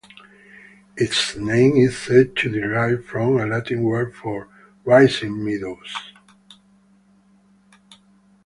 Its name is said to derive from a Latin word for "rising meadows".